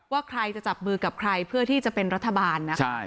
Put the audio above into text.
ว่าใครจะจับมือกับใครเพื่อที่จะเป็นรัฐบาลนะคะ